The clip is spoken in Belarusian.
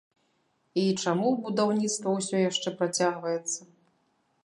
І чаму будаўніцтва ўсе яшчэ працягваецца?